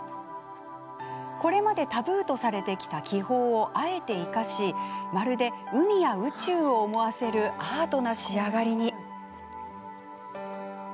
これまでタブーとされてきた気泡をあえて生かしまるで海や宇宙を思わせるアートな仕上がりに。